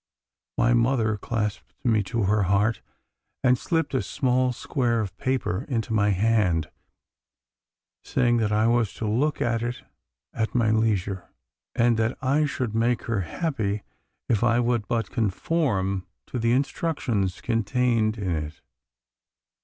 My mother clasped me to her heart, and slipped a small square of paper into my hand, saying that I was to look at it at my leisure, and that I should make her happy if I would but conform to the instructions contained in it.